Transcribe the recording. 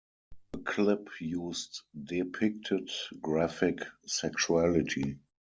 The clip used depicted graphic sexuality.